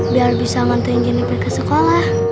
biar bisa ngantri juniper ke sekolah